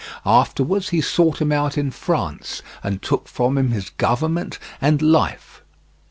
Afterwards he sought him out in France, and took from him his government and life.